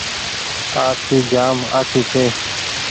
آرسي جآم آڇي ڇي۔